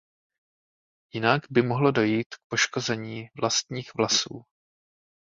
Jinak by mohlo dojít k poškození vlastních vlasů.